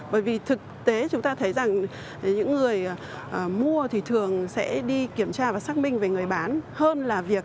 bởi vì thực tế chúng ta thấy rằng những người mua thì thường sẽ đi kiểm tra và xác minh về người bán